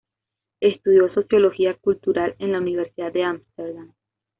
Estudió Sociología Cultural en la Universidad de Ámsterdam.